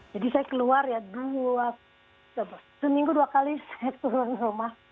jadi saya keluar ya seminggu dua kali saya turun rumah